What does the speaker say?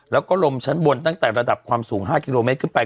แล้วก็ลมชั้นบนตั้งแต่ระดับความสูง๕กิโลเมตรขึ้นไป